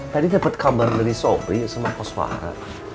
tadi dapet kabar dari sobri sama poswara